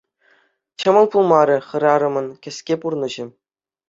Ҫӑмӑл пулмарӗ хӗрарӑмӑн кӗске пурнӑҫӗ.